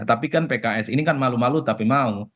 tapi kan pks ini kan malu malu tapi mau